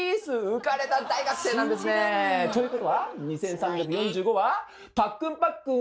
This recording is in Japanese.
浮かれた大学生なんですね。ということは「２，３４５」はパックンパックン